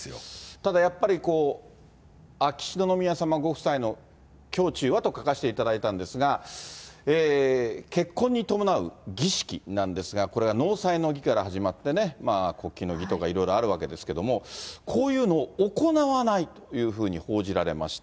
ただやっぱり、秋篠宮さまご夫妻の胸中はと書かせていただいたんですが、結婚に伴う儀式なんですが、これは納采の儀から始まってね、告期の儀とかいろいろあるわけですけど、こういうのを行わないというふうに報じられました。